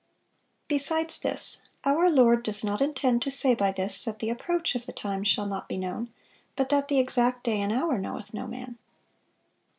Besides this, our Lord does not intend to say by this, that the approach of the time shall not be known, but that the exact 'day and hour knoweth no man.